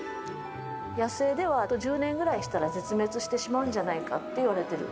野生ではあと１０年ぐらいしたら絶滅してしまうんじゃないかっていわれてる。